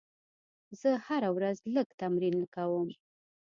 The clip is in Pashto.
زه هره ورځ لږ تمرین کوم.